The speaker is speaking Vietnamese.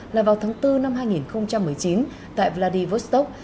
là vào tháng bốn năm hai nghìn một mươi chín tại vladivostok